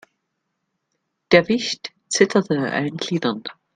Der Wicht zitterte an allen Gliedern.